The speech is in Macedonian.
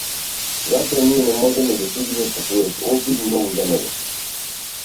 Затоа ние не можеме да судиме по својот опит многу за него.